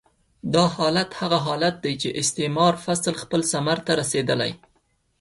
دا حالت هغه حالت دی چې استعماري فصل خپل ثمر ته رسېدلی.